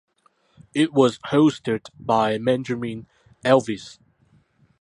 It was hosted by Benjamin Alves.